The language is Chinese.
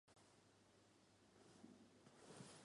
珊瑚藤为蓼科珊瑚藤属下的一个种。